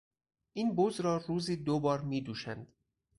این بز را روزی دوبار میدوشند.